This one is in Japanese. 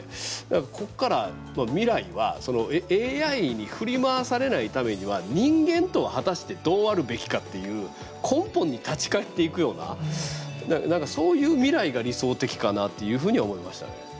ここから未来は、そのＡＩに振り回されないためには人間とは果たしてどうあるべきかっていう根本に立ち返っていくようなそういう未来が理想的かなっていうふうには思いましたね。